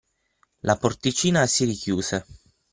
La porticina si richiuse.